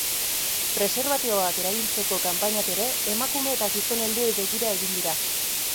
Preserbatiboak erabiltzeko kanpainak ere emakume eta gizon helduei begira egin dira.